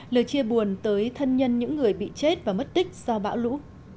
lời chia buồn tới thân nhân những người bị chết và mất tích do bão lũ